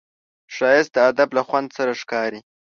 ښایست د ادب له خوند سره ښکاري